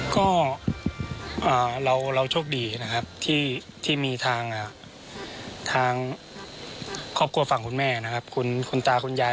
ก็เราโชคดีนะครับที่มีทางครอบครัวฝั่งคุณแม่นะครับคุณตาคุณยาย